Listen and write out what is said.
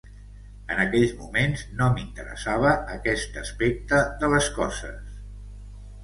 En aquells moments no m'interessava aquest aspecte de les coses